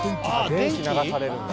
電気流されるんだ。